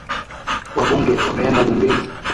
Wabunge wameenda bungeni